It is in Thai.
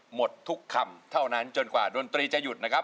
หมดทุกคำเท่านั้นจนกว่าดนตรีจะหยุดนะครับ